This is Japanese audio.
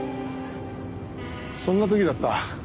そんな時だった。